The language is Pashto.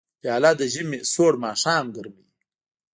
پیاله د ژمي سړه ماښام ګرموي.